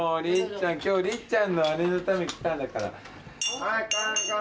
今日りっちゃんのあれのために来たんだから。